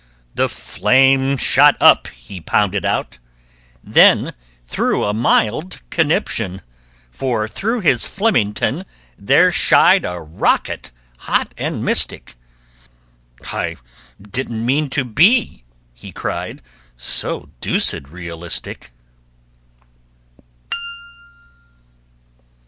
"The flame shot up," he pounded out Then threw a mild conniption. For through his Flemington there shied A rocket, hot and mystic. "I didn't mean to be," he cried, "So deuced realistic!"